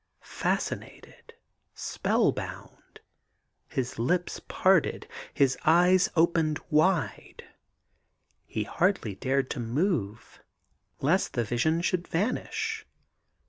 Fascinated, spell bound, his lips parted, his eyes opened wide, he hardly dared to move lest the vision should vanish.